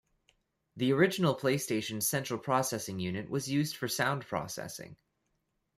The original PlayStation's central processing unit was used for sound processing.